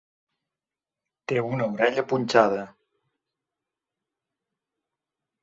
Té una orella punxada.